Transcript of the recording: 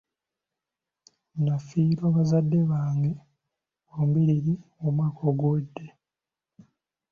Nafiirwa bazadde bange bombiriri omwaka oguwedde.